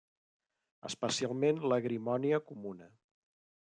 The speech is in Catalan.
Especialment l'agrimònia comuna.